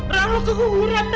raul keguguran dah